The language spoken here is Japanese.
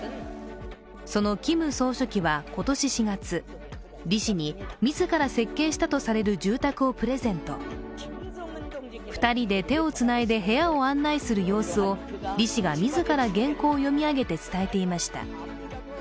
そのキム総書記は今年４月リ氏に自ら設計したとされる住宅をプレゼント２人で手をつないで部屋を案内する様子をリ氏が自ら原稿を読み上げて伝えていました。